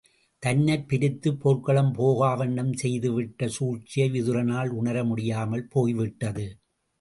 தன்னைப் பிரித்துப் போர்க்களம் போகா வண்ணம் செய்துவிட்ட சூழ்ச்சியை விதுரனால் உணர முடியாமல் போய்விட்டது.